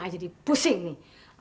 ayah jadi pusing nih